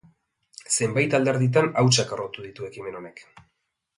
Zenbait alderdietan hautsak harrotu ditu ekimen honek.